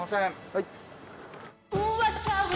・はい。